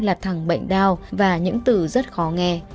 là thằng bệnh đau và những từ rất khó nghe